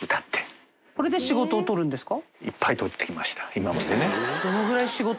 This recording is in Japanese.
今までね。